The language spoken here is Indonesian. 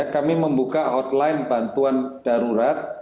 kami membuka hotline bantuan darurat